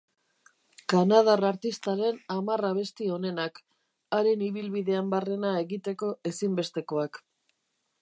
Kanadar artistaren hamar abesti onenak, haren ibilbidean barrena egiteko ezinbestekoak.